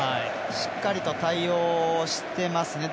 しっかりと対応してますね。